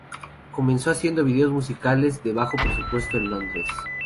Comenzó haciendo videos musicales de bajo presupuesto en Londres.